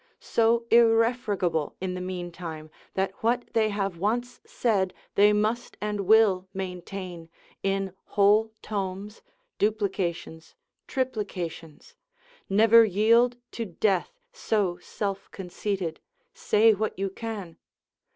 So irrefragable, in the mean time, that what they have once said, they must and will maintain, in whole tomes, duplications, triplications, never yield to death, so self conceited, say what you can.